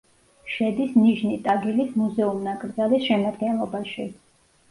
შედის ნიჟნი-ტაგილის მუზეუმ-ნაკრძალის შემადგენლობაში.